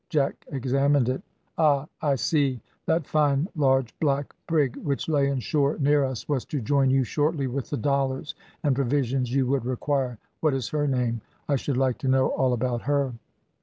Jack examined it. "Ah! I see that fine large black brig, which lay in shore near us, was to join you shortly with the dollars, and provisions you would require. What is her name? I should like to know all about her."